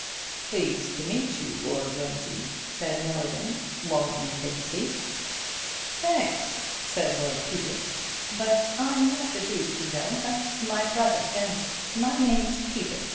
"Pleased to meet you, Lord Wimsey," said Mr. Milligan. "Won't you take a seat?" "Thanks," said Lord Peter, "but I'm not the Duke, you know—that's my brother Denver. My name's Peter.